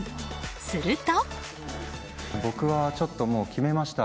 すると。